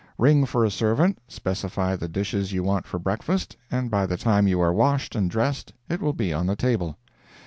Ring for a servant, specify the dishes you want for breakfast, and by the time you are washed and dressed it will be on the table.